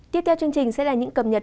tiếp theo chương trình sẽ là những cập nhật